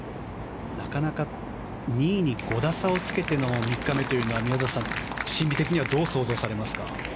なかなか２位に５打差をつけての３日目というのは宮里さん、心理的にはどう想像されますか？